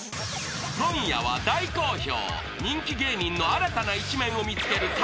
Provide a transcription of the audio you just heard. ［今夜は大好評］